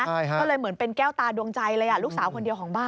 ก็เลยเหมือนเป็นแก้วตาดวงใจเลยลูกสาวคนเดียวของบ้าน